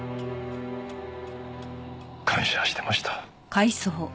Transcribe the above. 感謝してました。